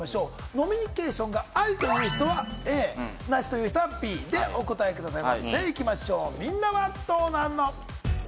飲みニケーションがありという方はＡ、なしという人はＢ、お答えください。